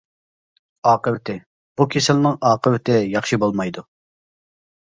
ئاقىۋىتى بۇ كېسەلنىڭ ئاقىۋىتى ياخشى بولمايدۇ.